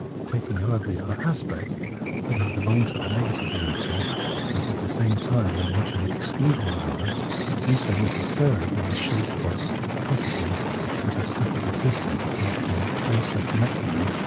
Taking, however, the other aspect, that they belong to the negative unity, they at the same time mutually exclude one another ; but do so necessarily in the shape of properties that have a separate existence apart from the " also " connecting them.